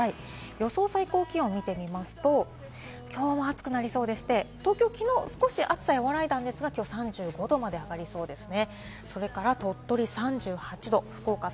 予想最高気温を見てみますと、きょうも暑くなりそうでして、東京はきのう少し暑さが和らいだんですが、きょうは３５度まで上がりそうですね。